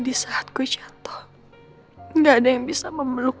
di saat gue sedih